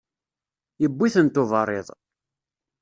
Iwwi-tent uberriḍ.